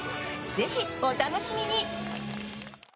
ぜひお楽しみに。